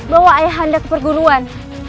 bawa ayah anda ke perguruan